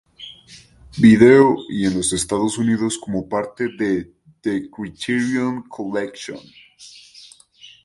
Video y en los Estados Unidos como parte de The Criterion Collection.